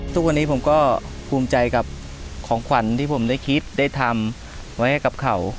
ทุกวันนี้ผมก็ภูมิใจกับของขวัญที่ผมได้คิดได้ทำไว้ให้กับเขา